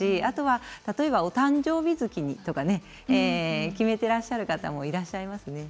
例えば、お誕生日月にとか決めていらっしゃる方もいらっしゃいますね。